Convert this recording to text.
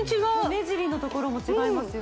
目尻の所も違いますよ